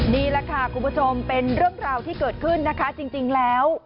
นี่แหละค่ะคุณผู้ชมเป็นเรื่องราวที่เกิดขึ้นนะคะจริงแล้ว